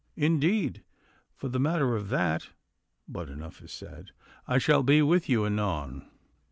Indeed, for the matter of that but enough is said. I shall be with you anon.